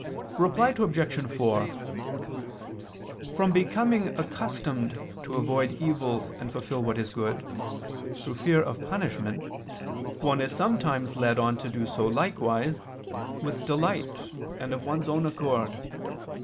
Reply Obj. 4: From becoming accustomed to avoid evil and fulfill what is good, through fear of punishment, one is sometimes led on to do so likewise, with delight and of one's own accord.